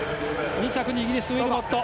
２着にイギリスのウィルモット。